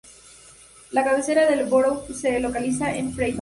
La cabecera del borough, se localiza en Fairbanks.